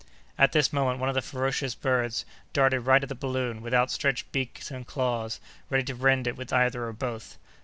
At this moment, one of the ferocious birds darted right at the balloon, with outstretched beak and claws, ready to rend it with either or both.